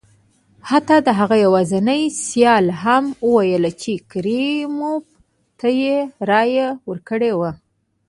حتی د هغه یوازیني سیال هم وویل چې کریموف ته یې رایه ورکړې وه.